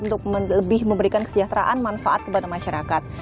untuk lebih memberikan kesejahteraan manfaat kepada masyarakat